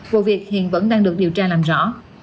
vụ việc hiện vẫn đang được điều tra làm rõ